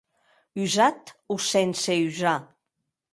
Usat o sense usar?